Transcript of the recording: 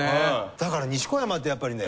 だから西小山ってやっぱりね。